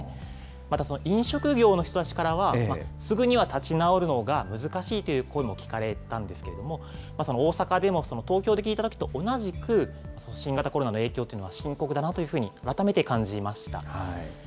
また飲食業の人たちからは、すぐには立ち直るのが難しいという声も聞かれたんですけれども、大阪でも東京で聞いたときと同じく、新型コロナの影響というのは深刻だなというふうに改めて感じました。